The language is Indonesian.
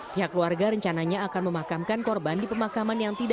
pihak keluarga rencananya akan memakamkan korban di pemakaman yang tidak